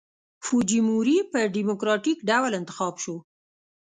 فوجیموري په ډیموکراټیک ډول انتخاب شو.